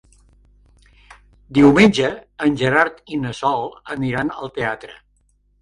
Diumenge en Gerard i na Sol aniran al teatre.